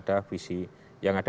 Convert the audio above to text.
tidak ada visi menteri dan presiden